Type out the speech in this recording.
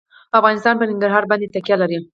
افغانستان په ننګرهار باندې تکیه لري.